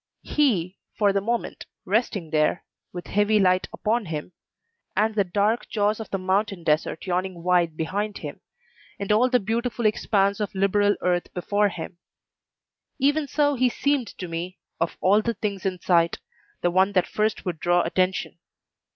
He, for the moment, resting there, with heavy light upon him, and the dark jaws of the mountain desert yawning wide behind him, and all the beautiful expanse of liberal earth before him even so he seemed to me, of all the things in sight, the one that first would draw attention.